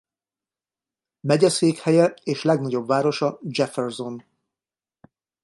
Megyeszékhelye és legnagyobb városa Jefferson.